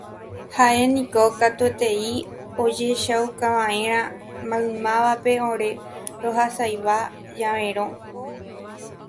Ha'éniko katuetei ojechaukava'erã maymávape ore rohasavai javérõ